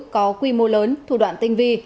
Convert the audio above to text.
có quy mô lớn thủ đoạn tinh vi